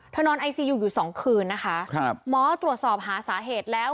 เธอนอนไอซีอยู่๒คืนนะคะหมอตรวจสอบหาสาเหตุแล้ว